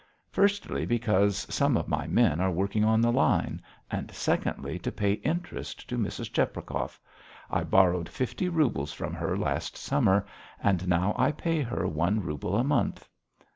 "Firstly because some of my men are working on the line, and secondly to pay interest to Mrs. Cheprakov. I borrowed fifty roubles from her last summer, and now I pay her one rouble a month."